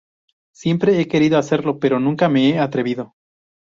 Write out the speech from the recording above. Siempre he querido hacerlo pero nunca me he atrevido.